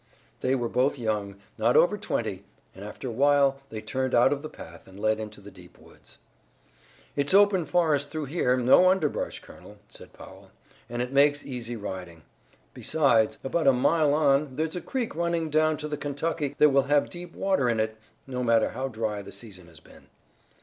They were both young, not over twenty, and after a while they turned out of the path and led into the deep woods. "It's open forest through here, no underbrush, colonel," said Powell, "and it makes easy riding. Besides, about a mile on there's a creek running down to the Kentucky that will have deep water in it, no matter how dry the season has been.